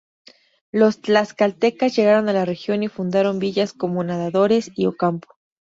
Los Tlaxcaltecas llegaron a la región y fundaron villas como Nadadores y Ocampo.